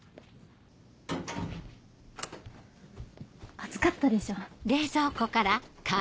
暑かったでしょ。